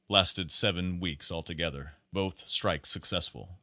Lasted seven weeks altogether. Both strikes successful.